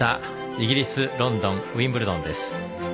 イギリス・ロンドンウィンブルドンです。